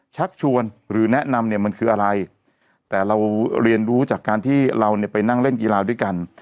ชักชวนหรือแนะนำเนี่ยมันคืออะไรแต่เราเรียนรู้จากการที่เราเนี่ยไปนั่งเล่นกีฬาด้วยกัน